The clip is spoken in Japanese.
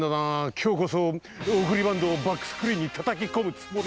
きょうこそおくりバントをバックスクリーンにたたきこむつもりだったがなハハハッ。